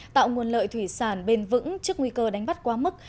tạo nguồn lợi thủy sản bền vững trước nguy cơ đánh bắt quá mức